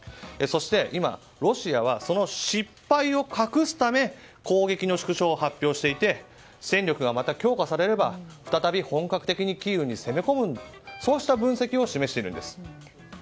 そして、今ロシアはその失敗を隠すため攻撃の縮小を発表していて戦力がまた強化されれば再び本格的にキーウに攻め込むという分析を示しているんです。